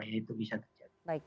ya itu bisa terjadi